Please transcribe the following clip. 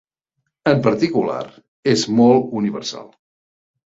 En particular, és molt universal.